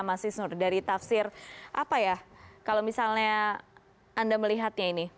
mas isnur dari tafsir apa ya kalau misalnya anda melihatnya ini